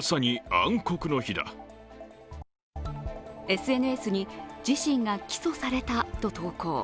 ＳＮＳに自身が起訴されたと投稿。